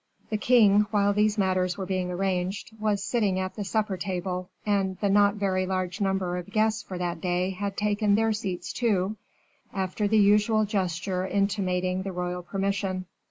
The king, while these matters were being arranged, was sitting at the supper table, and the not very large number of guests for that day had taken their seats too, after the usual gesture intimating the royal permission.